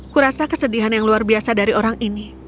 kurasa kesedihan yang luar biasa dari orang ini